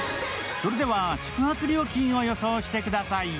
それでは、宿泊料金を予想してください。